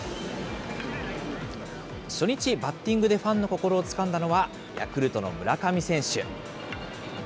初日、バッティングでファンの心をつかんだのは、ヤクルトの村上選手。